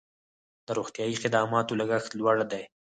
د روغتیايي خدماتو لګښت لوړ دی